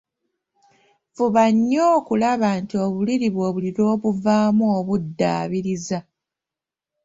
Fuba nnyo okulaba nti obuliri bwo buli lwobuvaamu obuddaabiriza.